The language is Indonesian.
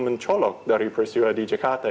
mencolok dari peristiwa di jakarta